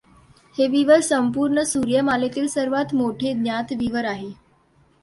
हे विवर संपूर्ण सूर्यमालेतील सर्वांत मोठे ज्ञात विवर आहे.